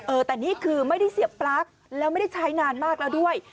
เออแต่นี่คือไม่ได้เสียบปลั๊กแล้วไม่ได้ใช้นานมากแล้วด้วย